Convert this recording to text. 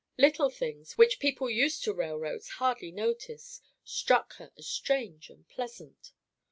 Little things, which people used to railroads hardly notice, struck her as strange and pleasant.